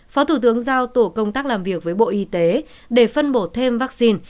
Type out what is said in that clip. phó thủ tướng giao tổ công tác làm việc với bộ y tế để phân bổ thêm vaccine